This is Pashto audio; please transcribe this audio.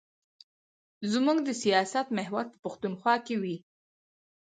زموږ د سیاست محور به پښتونخوا وي.